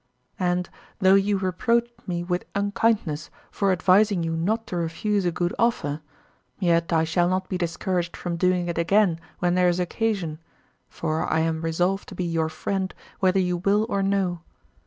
And though you reproached me with unkindness for advising you not to refuse a good offer, yet I shall not be discouraged from doing it again when there is occasion, for I am resolved to be your friend whether you will or no.